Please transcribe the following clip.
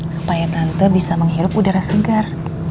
supaya tante bisa menghirup udara segar